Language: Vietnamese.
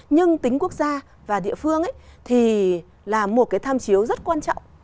nhưng tính quốc gia và địa phương thì là một cái tham chiếu rất quan trọng